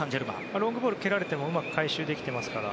ロングボールを蹴られてもうまく回収できてますから。